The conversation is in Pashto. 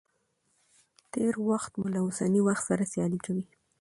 تېر وخت مو له اوسني وخت سره سيالي کوي.